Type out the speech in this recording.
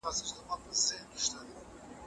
د خپلو کورنیو بوټو پاڼې هره ورځ په ځیر سره ګورئ.